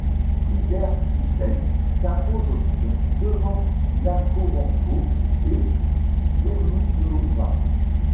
Diderkisen s'impose au sprint, devant Iakovenko et Demydova.